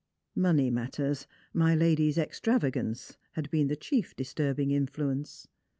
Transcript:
Money matters, my lady's extravagance, had been the chief disturbing influence.